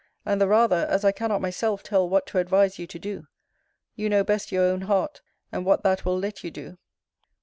And the rather, as I cannot myself tell what to advise you to do you know best your own heart; and what that will let you do.